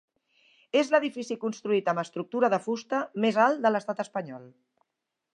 És l'edifici construït amb estructura de fusta més alt de l'estat espanyol.